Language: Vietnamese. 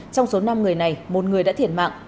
trong số năm người này một người đã thiệt mạng